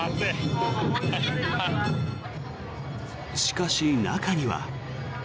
しかし、中には。